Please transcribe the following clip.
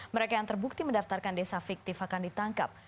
mereka yang terbukti mendaftarkan desa fiktif akan ditangkap